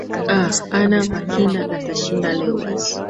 a anna makinda atashinda leo basi